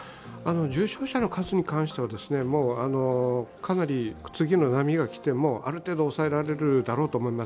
重症者の数に関しては、かなり次の波が来てもある程度、抑えられるだろうと思います。